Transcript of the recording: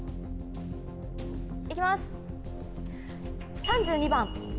いきます